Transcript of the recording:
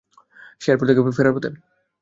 সে airport থেকে ফেরার পথে।